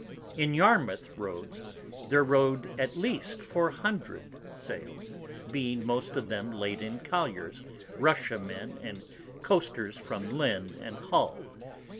In Yarmouth Roads there rode at least 400 Sail, being most of them Laden Colliers, Russia Men, and Coasters from Lynn and Hull.